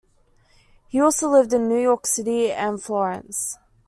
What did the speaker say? He also lived in New York City and Florence.